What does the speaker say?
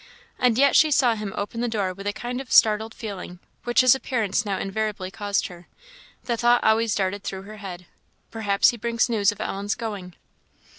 And yet she saw him open the door with a kind of startled feeling, which his appearance now invariably caused her; the thought always darted through her head, "Perhaps he brings news of Ellen's going."